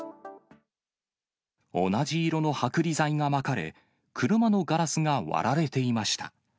同じ色の剥離剤がまかれ、車のガラスが割られていました。